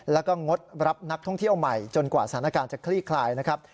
แล้วก็งดรับนักท่องเที่ยวใหม่จนกว่าสถานการณ์จะคลี่คลายนะครับ